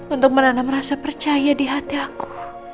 untuk menanam rasa percaya di hati aku